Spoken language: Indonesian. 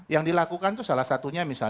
yang dilakukan salah satunya